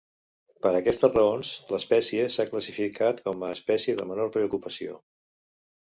Per aquestes raons, l'espècie s'ha classificat com a espècie de menor preocupació.